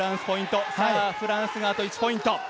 フランスがあと１ポイント。